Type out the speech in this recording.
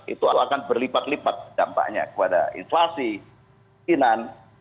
itu akan berlipat lipat dampaknya kepada inflasi kinan